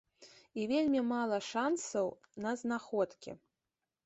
І вельмі мала шанцаў на знаходкі.